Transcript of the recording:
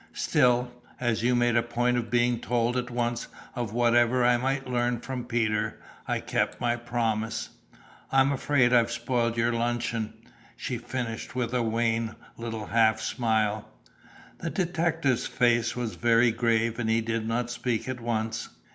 Still, as you made a point of being told at once of whatever I might learn from Peter, I kept my promise. I'm afraid I've spoiled your luncheon." She finished with a wan little half smile. The detective's face was very grave and he did not speak at once.